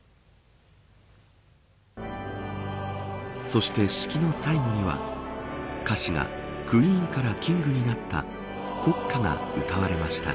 そして、式の最後には歌詞がクイーンからキングになった国歌が歌われました。